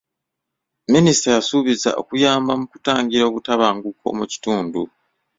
Minisita yasuubiza okuyamba mu kutangira obutabanguko mu kitundu.